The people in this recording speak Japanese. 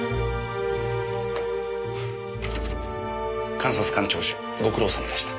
監察官聴取ご苦労さまでした。